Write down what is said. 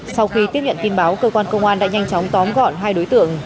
sau khi tiếp nhận tin báo cơ quan công an đã nhanh chóng tóm gọn hai đối tượng